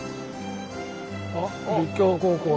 あっ立教高校だ。